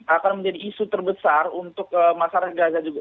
akan menjadi isu terbesar untuk masyarakat gaza juga